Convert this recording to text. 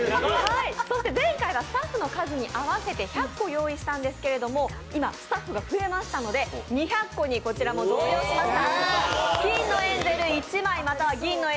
そして前回はスタッフの数に合わせて１００個用意したんですけども今、スタッフが増えましたので２００個にこちらも増量しました。